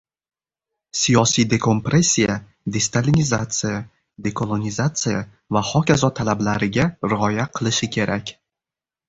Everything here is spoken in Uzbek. siyosiy dekompressiya destalinizatsiya, dekolonizatsiya va h.k. talablariga rioya qilishi kerak.